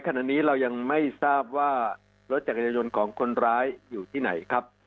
ขณะนี้เรายังไม่ทราบว่ารถจักรยายนต์ของคนร้ายอยู่ที่ไหนครับ